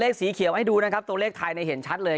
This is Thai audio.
สีเขียวให้ดูนะครับตัวเลขไทยเห็นชัดเลย